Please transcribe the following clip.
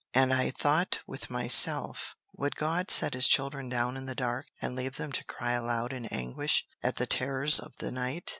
"And I thought with myself, Would God set his children down in the dark, and leave them to cry aloud in anguish at the terrors of the night?